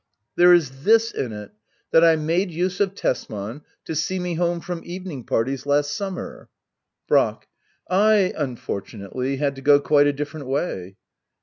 There is this in it, that I made use of Tesman to see me home from evening parties last sum mer Brack. I, unfortunately, had to go quite a different way.